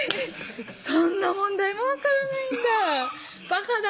そんな問題も分からないんだ